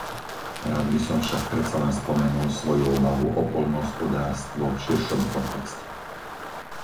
Rád by som však predsa len spomenul svoju obavu o poľnohospodárstvo v širšom kontexte.